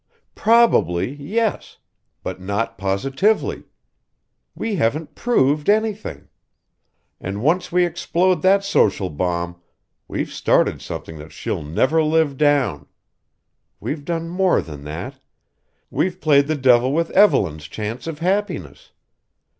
"Probably yes. But not positively. We haven't proved anything. And once we explode that social bomb we've started something that she'll never live down. We've done more than that we've played the devil with Evelyn's chance of happiness.